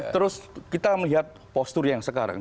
terus kita melihat postur yang sekarang